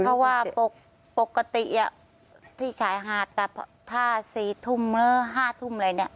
เพราะว่าปกติที่ชายหาดแต่ถ้า๔ทุ่มหรือ๕ทุ่มอะไรเนี่ย